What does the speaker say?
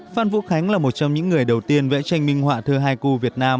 phan vũ khánh là một trong những người đầu tiên vẽ tranh minh họa thưa haiku việt nam